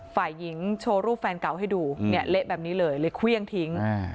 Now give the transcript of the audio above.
ฝ่ายหญิงโชว์รูปแฟนเก่าให้ดูเนี่ยเละแบบนี้เลยเลยเครื่องทิ้ง